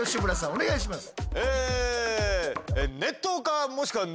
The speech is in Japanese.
お願いします。